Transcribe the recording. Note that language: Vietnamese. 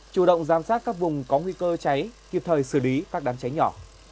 chủ động giám sát các vùng có nguy cơ cháy kịp thời xử lý các đám cháy nhỏ